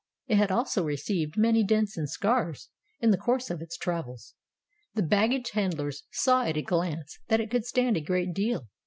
It had also received many dents and scars in the course of its travels. The baggage handlers saw at a glance that it could stand a great deal.